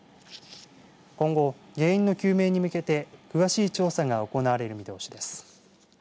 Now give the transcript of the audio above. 今後原因の究明に向けて詳しい調査が行われる見通しです。